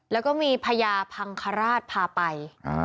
แล้วก็มีพญาพังคราชพาไป